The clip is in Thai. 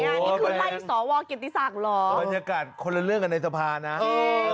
นี่คือไล่สอวรกิจศักดิ์หรอบรรยากาศคนละเรื่องกับนายสภาน่ะเออ